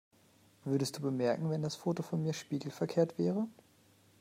Würdest du bemerken, wenn das Foto von mir spiegelverkehrt wäre?